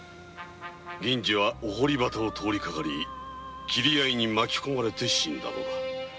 次はお堀端を通りかかり切り合いに巻き込まれて死んだのだ。